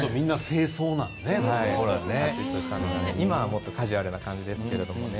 今はもっとカジュアルな感じですけどね。